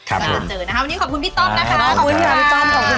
ครับแล้วเราเจอนะครับวันนี้ขอบคุณพี่ต้อมนะคะขอบคุณค่ะขอบคุณค่ะพี่ต้อมขอบคุณค่ะ